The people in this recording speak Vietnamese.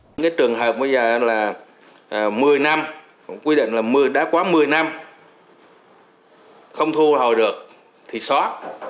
những trường hợp bây giờ là một mươi năm quy định là mưa đã quá một mươi năm không thu hồi được thì xóa